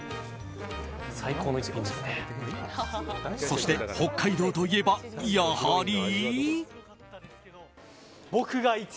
そして、北海道といえばやはり。